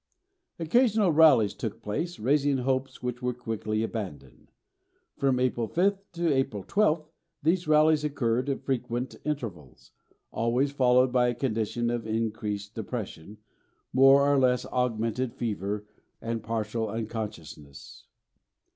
"Occasional rallies took place, raising hopes which were quickly abandoned. From April 5th to April 12th these rallies occurred at frequent intervals, always followed by a condition of increased depression, more or less augmented fever and partial unconsciousness.